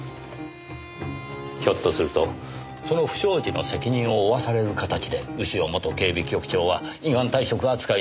ひょっとするとその不祥事の責任を負わされる形で潮元警備局長は依願退職扱いに。